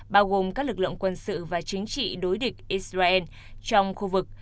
bao gồm các lực lượng quân sự và chính trị đối địch israel trong khu vực